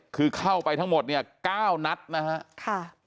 คือเข้าไปทั้งหมดเนี่ย๙นัดนะฮะ